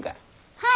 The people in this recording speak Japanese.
はい。